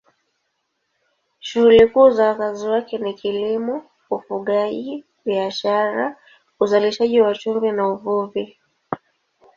Shughuli kuu za wakazi wake ni kilimo, ufugaji, biashara, uzalishaji wa chumvi na uvuvi.